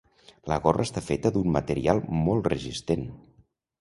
La gorra està feta d'un material molt resistent.